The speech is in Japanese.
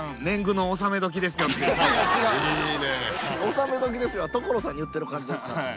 「納め時ですよ」は所さんに言ってる感じですから。